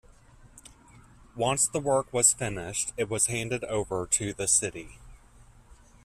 Once the work was finished, it was handed over to the city.